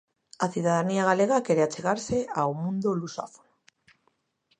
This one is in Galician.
A cidadanía galega quere achegarse ao mundo lusófono.